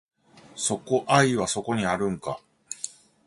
愛はそこにあるんか